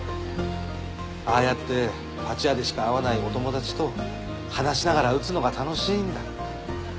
ああやってパチ屋でしか会わないお友達と話しながら打つのが楽しいんだ。